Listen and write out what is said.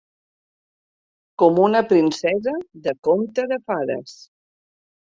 Com una princesa de conte de fades.